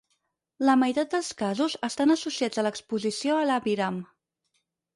La meitat dels casos estan associats a l'exposició a l'aviram.